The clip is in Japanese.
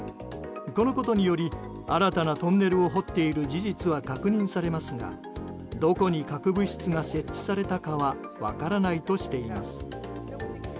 このことにより新たなトンネルを掘っている事実は確認されますがどこに核物質が設置されたかは分からないとしています。